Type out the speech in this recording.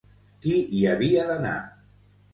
Qui hi havia d'anar?